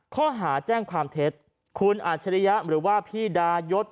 ข้อหาแจ้งความเท็จคุณอาชริยะหรือว่าพี่ดายศ